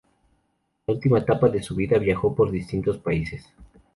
La última etapa de su vida viajó por distintos países.